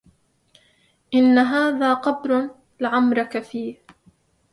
إن هذا قبر لعمرك فيه